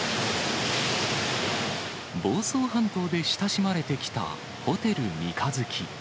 房総半島で親しまれてきたホテル三日月。